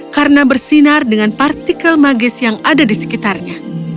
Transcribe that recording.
karena bersinar dengan partikel magis yang ada di sekitarnya